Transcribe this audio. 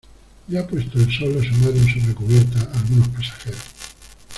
ya puesto el sol asomaron sobre cubierta algunos pasajeros.